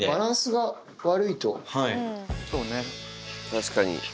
確かに。